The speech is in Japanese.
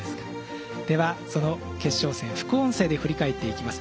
ではその決勝戦副音声で振り返っていきます。